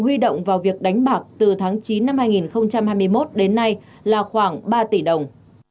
huy động vào việc đánh bạc từ tháng chín năm hai nghìn hai mươi một đến nay là khoảng ba tỷ đồng